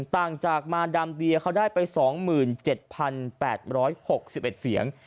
ต่างจากมารดามเบียเขาได้ไป๒๗๘๖๑เสียง